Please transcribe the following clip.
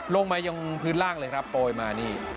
ลงมายังพื้นล่างเลยครับโปรยมานี่